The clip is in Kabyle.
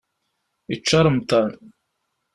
Yečča remḍan.